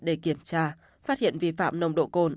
để kiểm tra phát hiện vi phạm nồng độ cồn